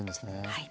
はい。